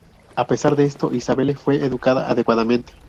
A pesar de esto, Isabelle fue educada adecuadamente.